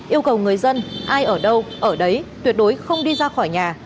yêu cầu người dân ai ở đâu ở đấy tuyệt đối không đi ra khỏi nhà